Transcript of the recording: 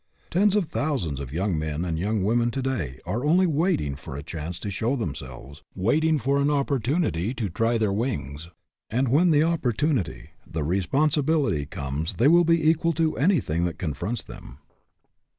Tens of thousands of young men and young women to day are only waiting for a chance to show themselves, waiting for an oppor tunity to try their wings, and when the op portunity, the responsibility, comes they will be equal to anything that confronts them.